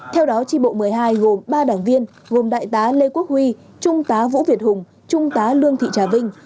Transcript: theo đó tri bộ một mươi hai gồm ba đảng viên gồm đại tá lê quốc huy trung tá vũ việt hùng trung tá lương thị trà vinh